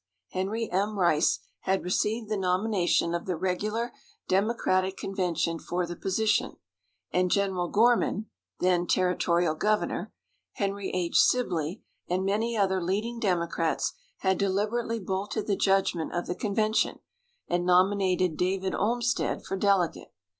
Henry M. Rice had received the nomination of the regular Democratic convention for the position, and General Gorman (then territorial governor), Henry H. Sibley and many other leading Democrats had deliberately bolted the judgment of the convention, and nominated David Olmsted for delegate.